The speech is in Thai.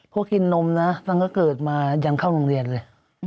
ก็กินนมนะตั้งแต่เกิดมายังเข้าโรงเรียนเลย